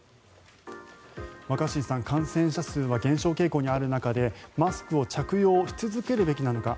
若新さん、感染者数は減少傾向にある中でマスクを着用し続けるべきなのか。